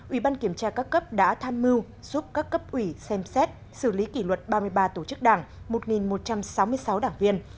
ubkt đã tham mưu giúp các cấp ủy xem xét xử lý kỳ luật ba mươi ba tổ chức đảng một một trăm sáu mươi sáu đảng viên